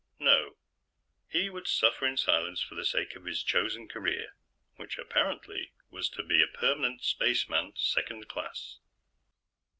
No, he would suffer in silence for the sake of his chosen career which, apparently, was to be a permanent Spaceman 2nd Class.